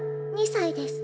２才です。